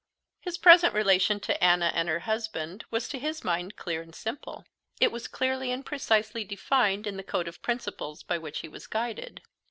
His present relation to Anna and to her husband was to his mind clear and simple. It was clearly and precisely defined in the code of principles by which he was guided.